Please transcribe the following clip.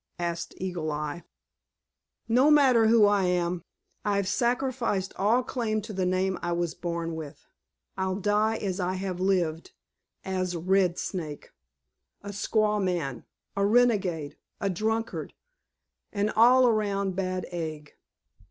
asked Eagle Eye. "No matter who I am. I've sacrificed all claim to the name I was born with. I'll die as I have lived, as 'Red Snake,' a squaw man, a renegade, a drunkard, an all around bad egg."